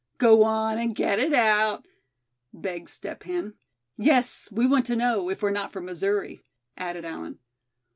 "Go on, and get it out," begged Step Hen. "Yes, we want to know, if we're not from Missouri," added Allan.